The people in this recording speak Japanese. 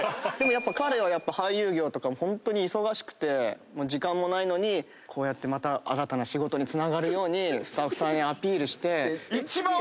やっぱ彼は俳優業とかホントに忙しくて時間もないのにこうやってまた新たな仕事につながるようにスタッフさんへアピールして。